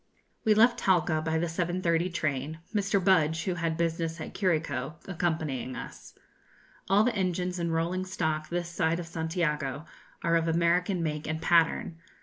We left Talca by the 7.30 train, Mr. Budge, who had business at Curico, accompanying us. All the engines and rolling stock this side of Santiago are of American make and pattern.